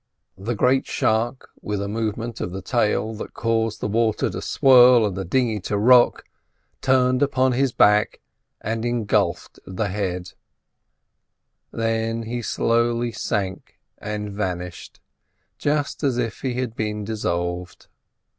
The great shark, with a movement of the tail that caused the water to swirl and the dinghy to rock, turned upon his back and engulfed the head; then he slowly sank and vanished, just as if he had been dissolved.